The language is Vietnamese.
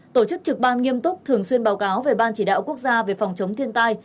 tổ chức trực ban nghiêm túc thường xuyên báo cáo về ban chỉ đạo quốc gia về phòng chống thiên tai